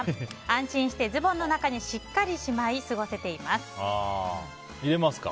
安心してズボンの中にしっかりしまい入れますか？